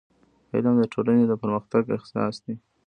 • علم د ټولنې د پرمختګ اساس دی.